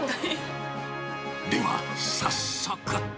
では、早速。